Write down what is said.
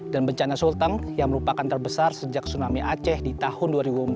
dan bencana sulteng yang merupakan terbesar sejak tsunami aceh di tahun dua ribu empat